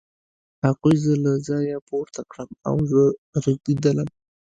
هغوی زه له ځایه پورته کړم او زه رېږېدلم